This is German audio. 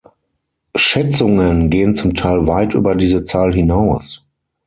Schätzungen gehen zum Teil weit über diese Zahl hinaus.